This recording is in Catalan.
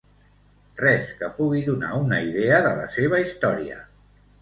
Res que pugui donar una idea de la seva història.